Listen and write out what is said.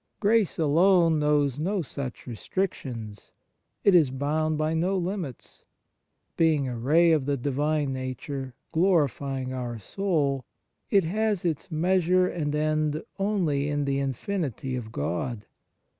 Grace alone knows no such restrictions ; it is bound by no limits. Being a ray of the Divine nature glorifying our soul, it has its measure and end only in the infinity of God.